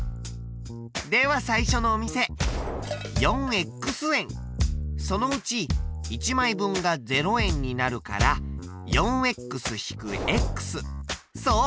では最初のお店４円そのうち１枚分が０円になるから４−そう！